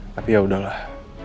tapi ya udahlah